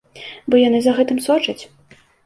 Бо яны за гэтым сочаць.